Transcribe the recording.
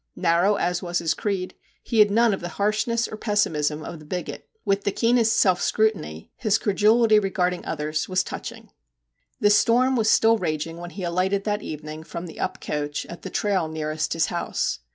Narrow as was his creed, he had none of the harshness or pessimism of the bigot. With the keenest self scrutiny, his credulity regarding others was touching. 34 MR. JACK HAMLIN'S MEDIATION The storm was still raging when he alighted that evening from the up coach at the trail nearest his house.